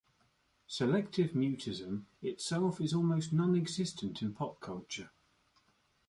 Selective mutism itself is almost nonexistent in pop culture.